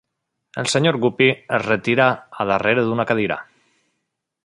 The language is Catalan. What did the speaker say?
El Sr. Guppy es retira a darrere d'una cadira.